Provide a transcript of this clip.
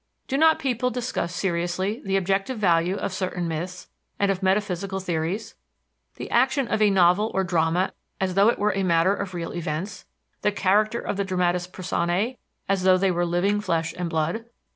Do not people discuss seriously the objective value of certain myths, and of metaphysical theories? the action of a novel or drama as though it were a matter of real events? the character of the dramatis personae as though they were living flesh and blood?